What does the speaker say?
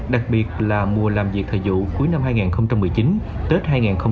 đặc biệt là mùa làm việc thời vụ cuối năm hai nghìn một mươi chín tết hai nghìn hai mươi